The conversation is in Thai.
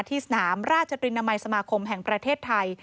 ที่สนามราชตรีนามัยสมาคมแห่งประเทศไทย